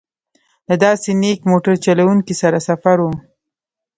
له داسې نېک موټر چلوونکي سره سفر و.